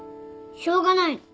しょうがないの。